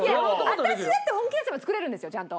私だって本気出せば作れるんですよちゃんと。